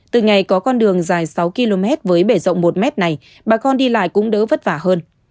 từ ngày có con đường dài sáu km với bể rộng một mét này bà con đi lại cũng đỡ vất vả hơn